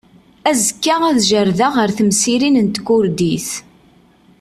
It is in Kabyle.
Azekka ad jerrdeɣ ar temsirin n tkurdit.